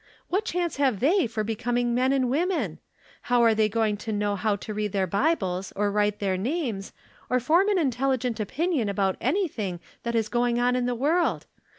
What chance have they for becoming men and women ? How are they going to know how to read their Bibles, or write their names, or form an intelligent opin ion about anything that is going on in the world